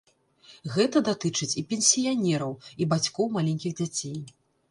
Гэта датычыць і пенсіянераў, і бацькоў маленькіх дзяцей.